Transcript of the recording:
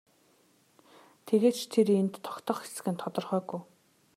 Тэгээд ч тэр энд тогтох эсэх нь тодорхойгүй.